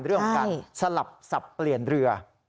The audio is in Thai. เรื่องของการสลับสับเปลี่ยนเรือ